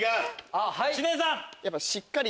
知念さん。